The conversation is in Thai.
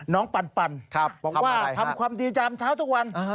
น้องปัลปันบอกว่าทำความดีจำเช้าทุกวัน